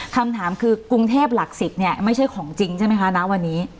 คำถามคือกรุงเทพหลัก๑๐เนี่ยไม่ใช่ของจริงใช่ไหมคะณวันนี้